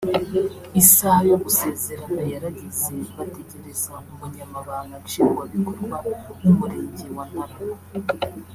Isaha yo gusezerana yarageze bategereza Umunyamabanga Nshingwabikorwa w’Umurenge wa Ntarama